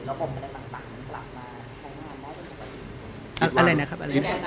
อะไรนะครับอะไรนะครับ